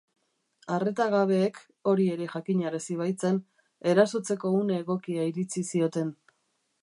Arretagabeek, hori ere jakinarazi baitzen, erasotzeko une egokia iritzi zioten.